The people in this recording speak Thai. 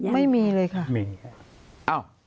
ไม่มีเลยค่ะ